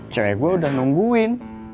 cewek gue udah nungguin